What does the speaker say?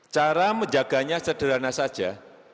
cara menjaganya sederhana saja